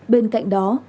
bên cạnh đó